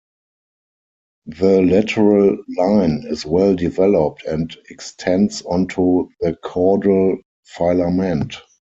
The lateral line is well-developed and extends onto the caudal filament.